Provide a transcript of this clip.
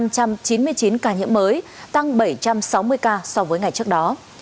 một trăm chín mươi chín ca nhiễm mới tăng bảy trăm sáu mươi ca so với ngày trước đó